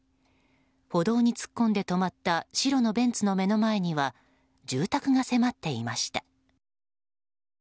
歩道に突っ込んで止まった白のベンツの目の前には住宅が迫っていました。